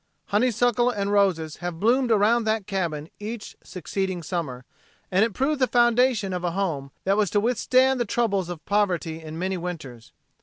Honeysuckle and roses have bloomed around that cabin each succeeding summer, and it proved the foundation of a home that was to withstand the troubles of poverty in many winters.